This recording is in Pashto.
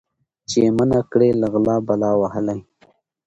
چي یې منع کړي له غلا بلا وهلی